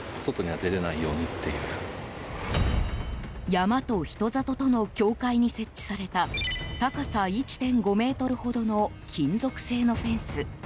山と人里との境界に設置された高さ１．５ｍほどの金属製のフェンス。